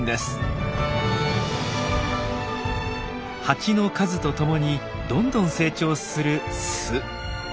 ハチの数とともにどんどん成長する巣。